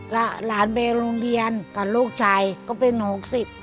หลานไปโรงเรียนกับลูกชายก็เป็นหกสิบ